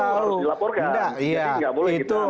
nah kalau pelakunya sama itu harus dilaporkan